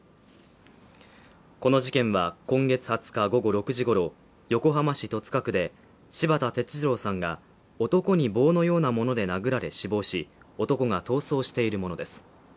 この事件は、今月２０日午後６時ごろ、横浜市戸塚区で柴田哲二郎さんが男に棒のようなもので殴られ死亡し男が逃走しているものです。